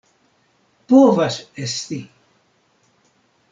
Povas esti.